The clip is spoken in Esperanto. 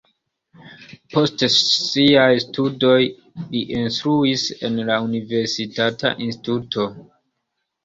Post siaj studoj li instruis en la universitata instituto.